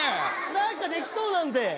何かできそうなんで。